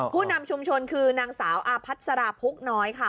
ผู้นำชุมชนคือนางสาวอาพัสราพุกน้อยค่ะ